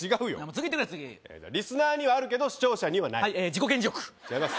次いってくれ次リスナーにはあるけど視聴者にはないはい自己顕示欲違います